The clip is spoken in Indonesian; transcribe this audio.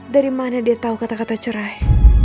dari mana dia tahu kata kata cerai